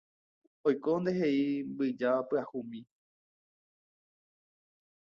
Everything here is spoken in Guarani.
Oiko ndehegui mbyja pyahumi